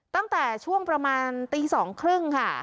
ตั้งแต่ช่วงประมาณตี๒๓๐ค่ะ